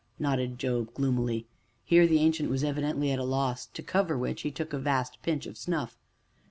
nodded Job gloomily. Here the Ancient was evidently at a loss, to cover which, he took a vast pinch of snuff.